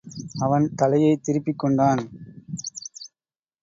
அவன் தலையைத் திருப்பிக் கொண்டான்.